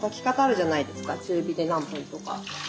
中火で何分とか。